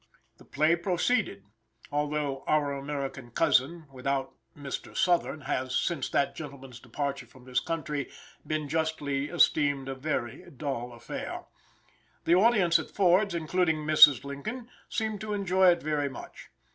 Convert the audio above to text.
The play proceeded, although "Our American Cousin," without Mr. Sothern, has, since that gentleman's departure from this country, been justly esteemed a very dull affair. The audience at Ford's, including Mrs. Lincoln, seemed to enjoy it very much.